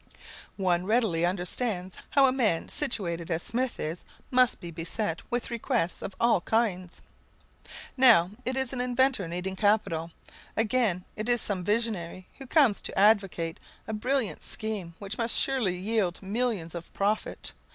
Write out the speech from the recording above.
One readily understands how a man situated as Smith is must be beset with requests of all kinds. Now it is an inventor needing capital; again it is some visionary who comes to advocate a brilliant scheme which must surely yield millions of profit.